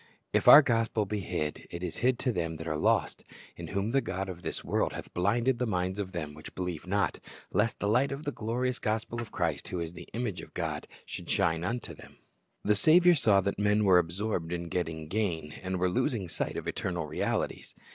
"^ "If our gospel be hid, it is hid to them that are lost; in whom the god of this world hath blinded the minds of them which believe not, lest the light of the glorious gospel of Christ, who is the image of God, should shine unto them."^ VALUE OF THE TREASURE The Saviour saw that men were absorbed in getting gain, and were losing sight of eternal realities.